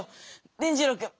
伝じろうくん。